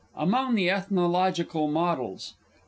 _ AMONG THE ETHNOLOGICAL MODELS.